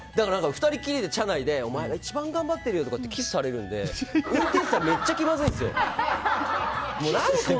２人きりで車内でお前が一番頑張ってるよってキスされるので運転手さんめっちゃ気まずいんですよ。